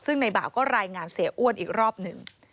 ซึ่งในบ่าวก็รายงานเสียอ้วนอีกรอบหนึ่ง